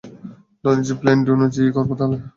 ধরে নিচ্ছি, plan D অনুযায়ী কাজ করব তাহলে।